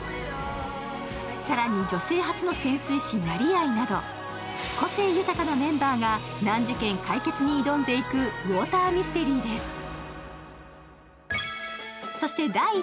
更に女性初の潜水士、成合など個性豊かなメンバーが難事件解決に挑んでいくウォーターミステリーです。